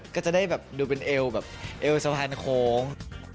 ก็จะได้แบบดูเป็นเอวแบบเอวสะพานโค้ง